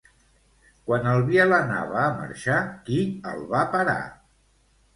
Quan el Biel anava a marxar, qui el va parar?